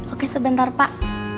oke sebentar pak